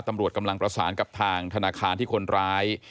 ตำรวจกำลังประสานกับทางธนาคารที่คนร้าย